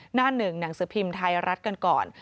หน้าหนึ่งหนังสือพิมพ์ไทยรัฐกันก่อน